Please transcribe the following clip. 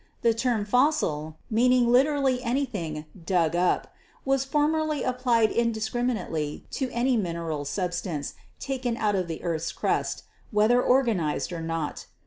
The term fossil, meaning literally anything 'dug up,' was formerly applied indis criminately to any mineral substance taken out of the earth's crust, whether organized or not.